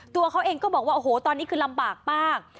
ตัวเขาเองก็บอกว่าโอ้โหตอนนี้คือลำบากมาก